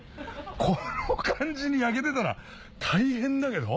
この感じに焼けてたら大変だけど。